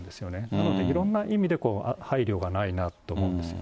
なので、いろんな意味で配慮がないなと思うんです。